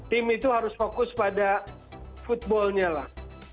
tim itu harus fokus pada footballnya lah